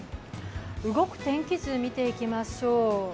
動く天気図を見ていきましょう。